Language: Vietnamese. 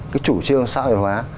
cái chủ trương xã hội hóa